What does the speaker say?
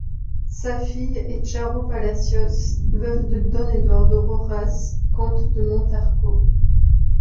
Sa fille est Charo Palacios, veuve de Don Eduardo Rojas, comte de Montarco.